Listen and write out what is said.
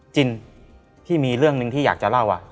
จินที่มีเรื่องหนึ่งที่อยากจะเล่า